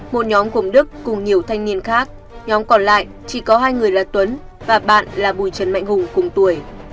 một nhóm gồm đức cùng nhiều thanh niên khác nhóm còn lại chỉ có hai người là tuấn và bạn là bùi trần mạnh hùng cùng tuổi